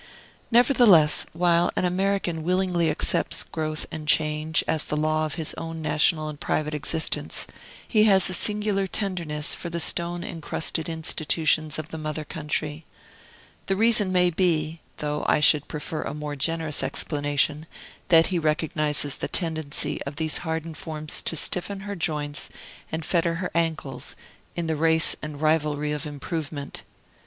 Nevertheless, while an American willingly accepts growth and change as the law of his own national and private existence, he has a singular tenderness for the stone incrusted institutions of the mother country. The reason may be (though I should prefer a more generous explanation) that he recognizes the tendency of these hardened forms to stiffen her joints and fetter her ankles, in the race and rivalry of improvement.